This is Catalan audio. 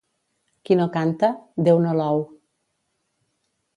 Qui no canta, Déu no l'ou.